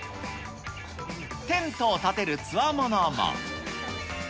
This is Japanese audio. テントを立てるつわものも。